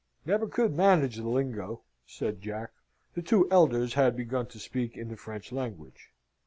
"Never could manage the lingo," said Jack. The two elders had begun to speak in the French language.